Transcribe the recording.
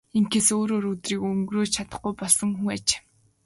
Ингэхээс өөрөөр өдрийг өнгөрөөж чадахгүй болсон хүн аж.